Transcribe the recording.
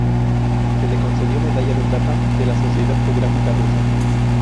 Se le concedió medalla de plata de la Sociedad Geográfica Rusa.